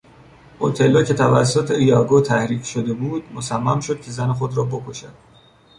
اوتلو که توسط ایاگوتحریک شده بود مصمم شد که زن خود را بکشد.